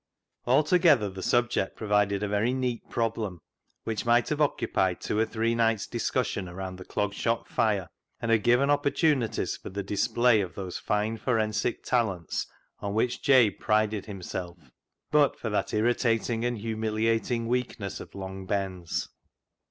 Altogether the subject provided a very neat problem, which might have occupied two or three nights' discussion around the Clog Shop fire, and have given opportunities for the dis play of those fine forensic talents on which Jabe prided himself, but for that irritating and humiliating weakness of Long Ben's.